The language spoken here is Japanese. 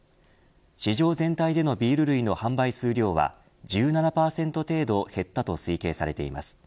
市場全体でのビール類の販売数量は１７％程度減ったと推計されています。